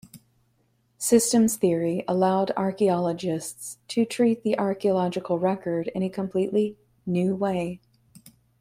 Systems theory allowed archaeologists to treat the archaeological record in a completely new way.